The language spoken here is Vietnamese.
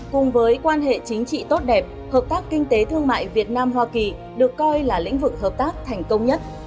cùng với quan hệ chính trị tốt đẹp hợp tác kinh tế thương mại việt nam hoa kỳ được coi là lĩnh vực hợp tác thành công nhất